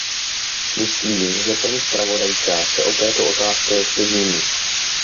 Myslím, že paní zpravodajka se o této otázce ještě zmíní.